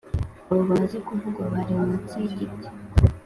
Abo bamaze kuvugwa bari munsi yi giti